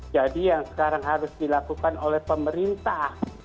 jadi yang sekarang harus dilakukan oleh pemerintah